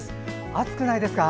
暑くないですか？